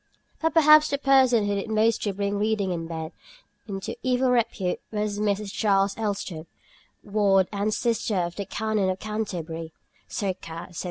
But perhaps the person who did most to bring reading in bed into evil repute was Mrs. Charles Elstob, ward and sister of the Canon of Canterbury (circa 1700).